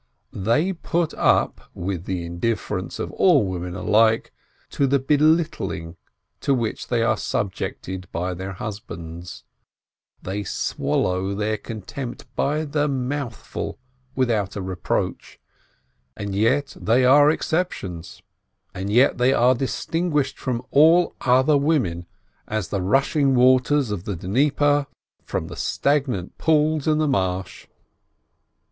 They put up, with the indifference of all women alike, to the belittling to which they are subjected by their husbands ; they swallow their contempt by the mouthful without a reproach, and yet they are exceptions, and yet they are distinguished from all other women, as the rushing waters of the Dnieper from the stagnant pools in the marsh.